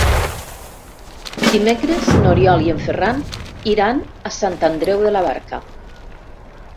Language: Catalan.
Dimecres n'Oriol i en Ferran iran a Sant Andreu de la Barca.